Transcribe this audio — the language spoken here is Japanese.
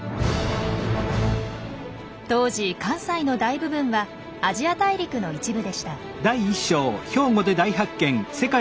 当時関西の大部分はアジア大陸の一部でした。